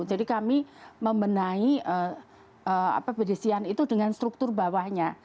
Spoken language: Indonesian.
jadi kami membenahi peristrian itu dengan struktur bawahnya